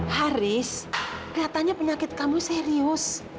haris katanya penyakit kamu serius